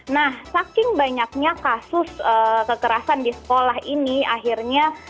nah saking banyaknya kasus kekerasan di sekolah ini akhirnya